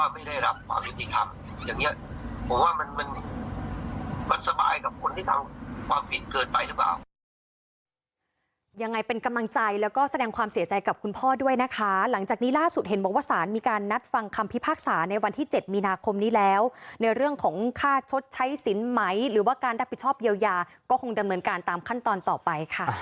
มันสบายกับคนที่ทำความผิดเกินไปหรือเปล่า